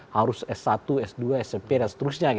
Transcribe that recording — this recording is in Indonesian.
harus s satu s dua s tiga dan seterusnya